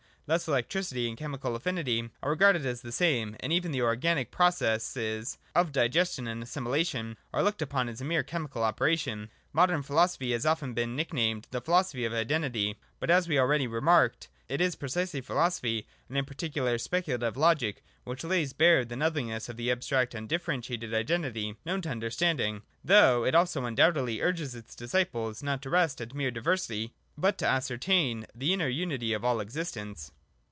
Thus electricity and chemical affinity are regarded as the same, and even the organic processes of digestion and assimilation are looked upon as a mere chemical operation. Modern philosophy has often been nicknamed the Philosophy of Identity. But, as was already remarked (§ 103, note], it is precisely philosophy, and in particular speculative logic, which lays bare the nothingness of the abstract, undifferentiated identity, known to understanding ; though it also undoubtedly urges its disciples not to rest at mere diversity, but to ascertain the inner unity of all existence.